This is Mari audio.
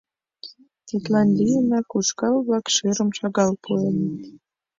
Тидлан лийынак ушкал-влак шӧрым шагал пуэныт.